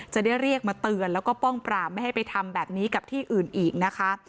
จะได้เรียกมาเตือนแล้วก็ป้องปราบไม่ให้ไปทำแบบนี้กับที่อื่นอีกนะคะ